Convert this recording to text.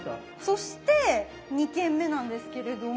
そして２軒目なんですけれども。